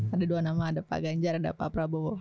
ada dua nama ada pak ganjar ada pak prabowo